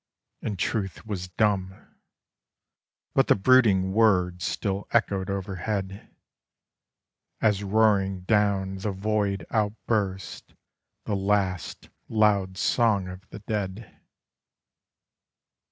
And Truth was dumb. But the brooding word still echoed overhead, As roaring down the void outburst the last loud song of the dead.